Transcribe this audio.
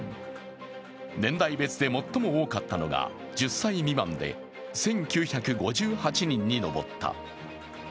年代別で最も多かったのが１０歳未満で１９５８人に上った。